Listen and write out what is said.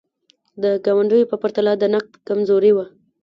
د ګاونډیو په پرتله د نقد کمزوري وه.